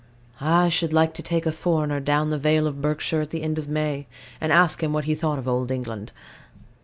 I should like to take a foreigner down the Vale of Berkshire in the end of May, and ask him what he thought of old England.